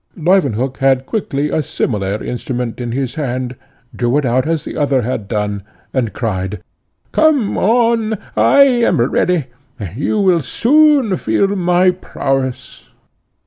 Leuwenhock had quickly a similar instrument in his hand, drew it out as the other had done, and cried, "Come on; I am ready, and you shall soon feel my prowess."